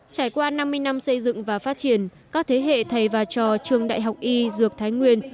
trải qua năm mươi năm xây dựng và phát triển các thế hệ thầy và trò trường đại học y dược thái nguyên